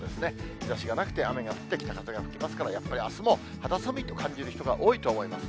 日ざしがなくて、雨が降って、風も吹きますから、やっぱりあすも肌寒いと感じる人が多いと思います。